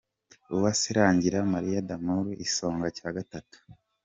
Uwase Rangira Marie D’Amour : Igisonga cya Gatatu